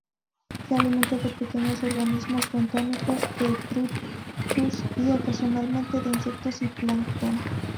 Se alimenta de pequeños organismos bentónicos, detritus y, ocasionalmente, de insectos y plancton.